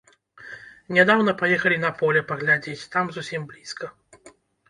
Нядаўна паехалі на поле паглядзець, там зусім блізка.